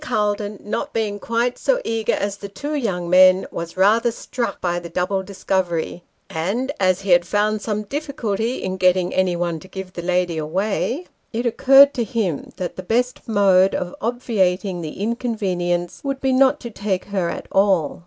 Calton, not being quite so eager as the two young men, was rather struck by the double discovery ; and as he had found some difficulty in getting anyone to give the lady away, it occurred to him that the best mode of obviating the inconvenience would be not to take her at all.